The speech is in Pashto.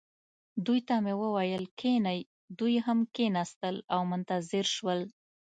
دوی ته مې وویل: کښینئ. دوی هم کښېنستل او منتظر شول.